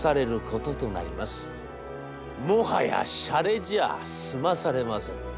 もはやシャレじゃあ済まされません。